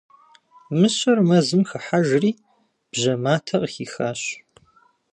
Мыщэр мэзым хыхьэжри, бжьэ матэ къыхихащ.